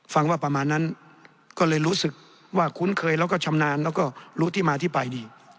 ฟังว่าประมาณนั้นก็เลยรู้สึกว่าคุ้นเคยแล้วก็ชำนาญแล้วก็รู้ที่มาที่ไปดี